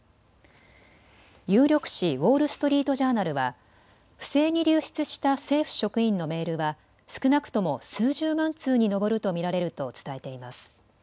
有力紙、ウォール・ストリート・ジャーナルは不正に流出した政府職員のメールは少なくとも数十万通に上ると見られると伝えています。